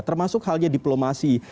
termasuk halnya diplomasi